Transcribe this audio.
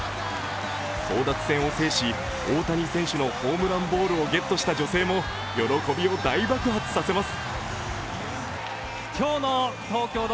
争奪戦を制し、大谷選手のホームランボールをゲットした女性も喜びを大爆発させます。